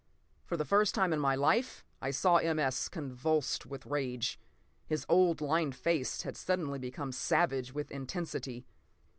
For the first time in my life I saw M. S. convulsed with rage. His old, lined face had suddenly become savage with intensity.